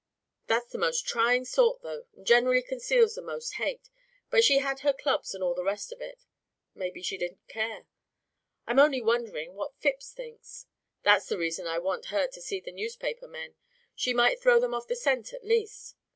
That's the most tryin' sort, though, and generally conceals the most hate. But she had her clubs and all the rest of it. Maybe she didn't care. I'm only wonderin' what Phipps thinks. That's the reason I want her to see the newspapermen. She might throw them off the scent at least.